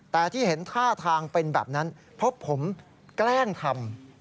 แต่ที่เห็นท่าทางเป็นแบบนั้นเพราะผมแกล้งทำ